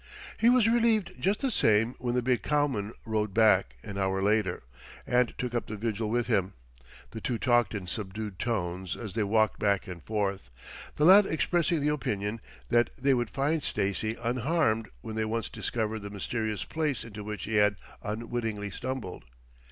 He was relieved, just the same, when the big cowman rode back, an hour later, and took up the vigil with him. The two talked in subdued tones as they walked back and forth, the lad expressing the opinion that they would find Stacy unharmed when they once discovered the mysterious place into which he had unwittingly stumbled.